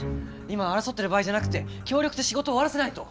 今は争ってる場合じゃなくて協力して仕事を終わらせないと。